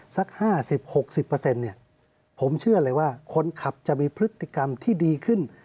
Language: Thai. สัก๕๐๖๐ผมเชื่อเลยว่าคนขับจะมีพฤติกรรมที่ดีขึ้น